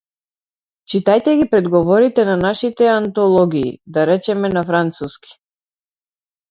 Читајте ги предговорите на нашите антологии, да речеме на француски.